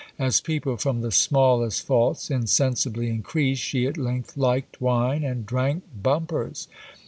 As people from the smallest faults insensibly increase, she at length liked wine, and drank bumpers.